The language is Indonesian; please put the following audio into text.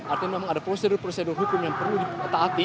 artinya memang ada prosedur prosedur hukum yang perlu ditaati